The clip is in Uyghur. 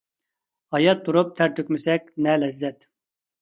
ھايات تۇرۇپ تەر تۆكمىسەك نە لەززەت.